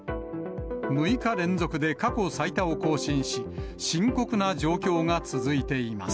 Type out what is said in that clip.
６日連続で過去最多を更新し、深刻な状況が続いています。